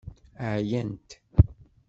Ɛyant.